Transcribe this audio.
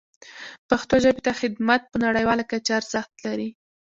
پښتو ژبې ته خدمت په نړیواله کچه ارزښت لري.